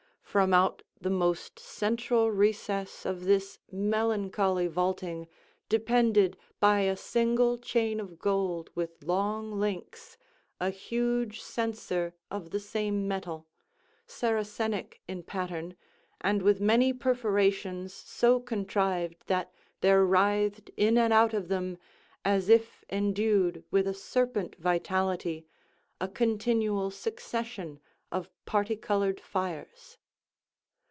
From out the most central recess of this melancholy vaulting, depended, by a single chain of gold with long links, a huge censer of the same metal, Saracenic in pattern, and with many perforations so contrived that there writhed in and out of them, as if endued with a serpent vitality, a continual succession of parti colored fires.